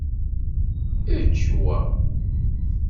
Ečč wa.